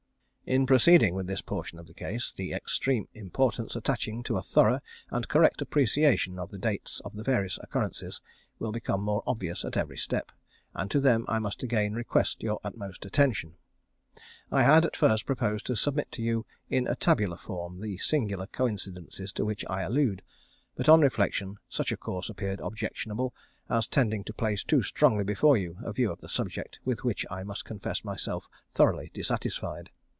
In proceeding with this portion of the case, the extreme importance attaching to a thorough and correct appreciation of the dates of the various occurrences will become more obvious at every step, and to them I must again request your utmost attention. I had at first proposed to submit to you in a tabular form the singular coincidences to which I allude, but on reflection, such a course appeared objectionable, as tending to place too strongly before you a view of the subject with which I must confess myself thoroughly dissatisfied.